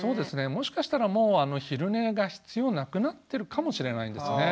もしかしたらもう昼寝が必要なくなってるかもしれないんですね。